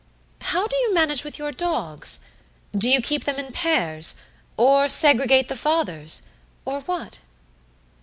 How do you manage with your dogs? Do you keep them in pairs, or segregate the fathers, or what?"